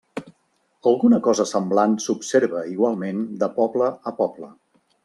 Alguna cosa semblant s'observa igualment de poble a poble.